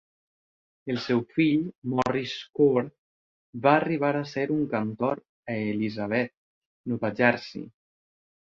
El seu fill, Morris Schorr, va arribar a ser un cantor a Elizabeth, Nova Jersey.